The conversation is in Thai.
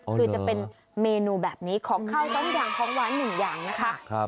คือจะเป็นเมนูแบบนี้ของข้าวส้มดังของหวาน๑อย่างนะคะ